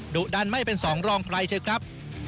ดุดันไม่เป็นสองรองใครเถอะครับ